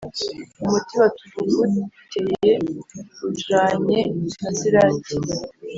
Umuti watuvuguteye ujanye na Siraki